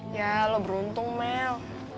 ya lo beruntung mel